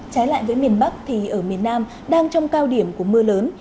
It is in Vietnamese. trái lại với miền bắc thì ở miền nam đang trong cao điểm của mưa lớn